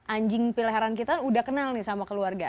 anjing pilihan heran kita udah kenal nih sama keluarga